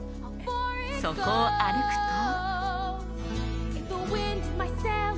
そこを歩くと。